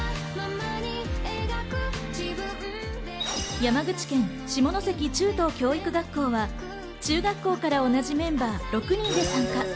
山口県、下関中等教育学校は中学校から同じメンバー６人で参加。